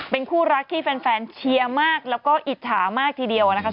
เป็นคู่รักที่แฟนเชียร์มากแล้วก็อิจฉามากทีเดียวนะคะ